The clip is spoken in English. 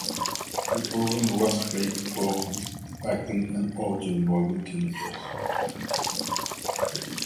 The programme was flagged for depicting an orgy involving teenagers.